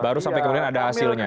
baru sampai kemudian ada hasilnya